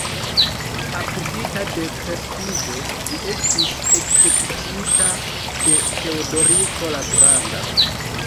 Akuzita de perfido, li estis ekzekutita de Teodoriko la Granda.